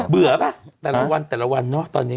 เบื่อป่ะแต่ละวันเนอะตอนนี้